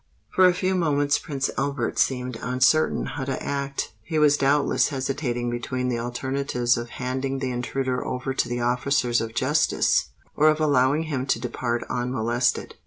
For a few moments Prince Albert seemed uncertain how to act: he was doubtless hesitating between the alternatives of handing the intruder over to the officers of justice, or of allowing him to depart unmolested.